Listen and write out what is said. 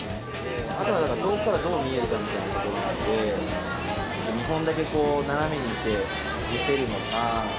あとはだから、遠くからどう見えるかというところなんで、見本だけこう、斜めにして見せるのか。